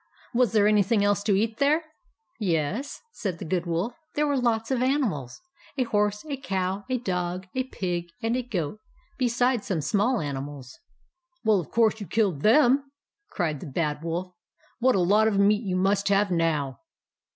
Was there anything else to eat there ?" "Yes," said the Good Wolf. "There were lots of animals, — a horse, a cow, a dog, a pig, and a goat, besides some small animals." " Well, of course you killed them" cried the Bad Wolf. " What a lot of meat you must have now